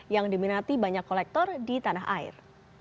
yang diminati banyak kolektor di tanah air